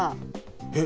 えっ。